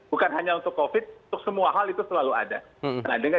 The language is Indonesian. bukan hanya untuk covid untuk semua hal itu selalu ada